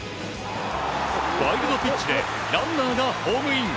ワイルドピッチでランナーがホームイン。